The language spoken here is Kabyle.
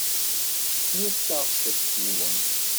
Frut taɣtest-nwen.